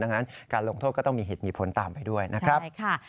ดังนั้นการลงโทษก็ต้องมีเหตุมีผลตามไปด้วยนะครับใช่ค่ะ